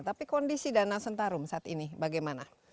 tapi kondisi danau sentarum saat ini bagaimana